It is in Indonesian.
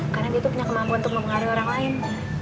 karena dia itu punya kemampuan untuk mempengaruhi orang lain